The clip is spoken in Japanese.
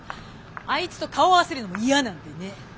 あいつと顔合わせるのも嫌なんでね。